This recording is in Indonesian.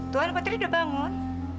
tuhan patrini udah bangun